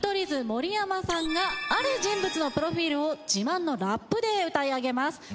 図盛山さんがある人物のプロフィールを自慢のラップで歌い上げます。